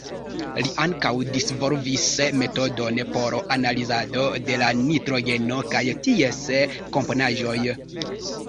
Li ankaŭ disvolvis metodon por analizado de la nitrogeno kaj ties komponaĵoj.